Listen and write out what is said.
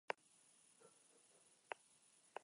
Sin embargo, en esta versión se ha cambiado el escenario.